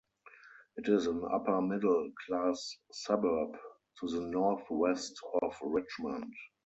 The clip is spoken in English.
It is an upper middle class suburb to the Northwest of Richmond.